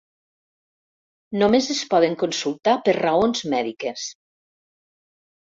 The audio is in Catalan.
Només es poden consultar per raons mèdiques.